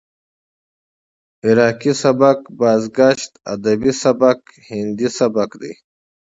عراقي سبک، بازګشت ادبي سبک، هندي سبک دى.